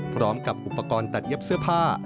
พร้อมกับอุปกรณ์ตัดเย็บเสื้อผ้า